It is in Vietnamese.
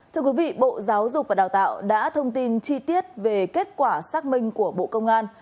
thưa quý vị bộ giáo dục và đào tạo đã thông tin chi tiết về kết quả xác minh của bộ công an